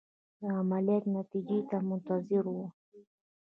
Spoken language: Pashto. د عملیات نتیجې ته منتظر وو.